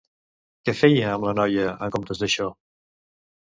Què feia amb la noia, en comptes d'això?